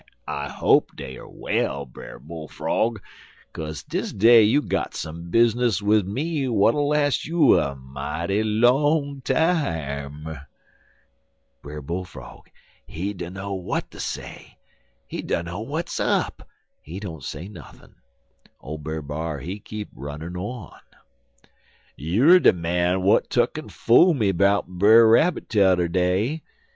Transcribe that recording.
I hope dey er well, Brer Bull frog, kaze dis day you got some bizness wid me w'at'll las' you a mighty long time.' "Brer Bull frog, he dunner w'at ter say. He dunner w'at's up, en he don't say nuthin'. Ole Brer B'ar he keep runnin' on: "'You er de man w'at tuck en fool me 'bout Brer Rabbit t'er day.